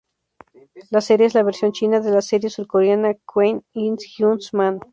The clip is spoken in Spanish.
La serie es la versión china de la serie surcoreana "Queen In-hyun's Man".